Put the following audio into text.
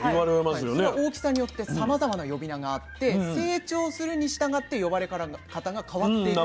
その大きさによってさまざまな呼び名があって成長するにしたがって呼ばれ方が変わっていく。